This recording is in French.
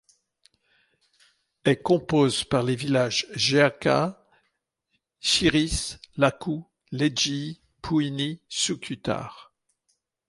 Est compose par les villages Geaca, Chiriș, Lacu, Legii, Puini, Sucutard.